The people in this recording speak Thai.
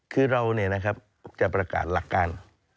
คือเราเนี่ยนะครับจะประกาศหลักการ